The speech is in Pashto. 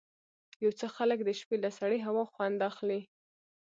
یو څه خلک د شپې له سړې هوا خوند اخلي.